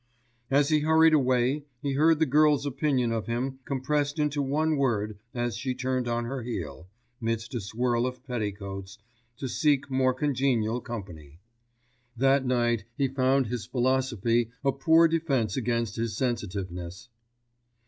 As he hurried away he heard the girl's opinion of him compressed into one word as she turned on her heel, midst a swirl of petticoats, to seek more congenial company. That night he found his philosophy a poor defence against his sensitiveness.